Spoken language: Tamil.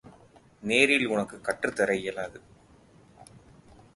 நேரில் உனக்குக் கற்றுத்தர இயலாது.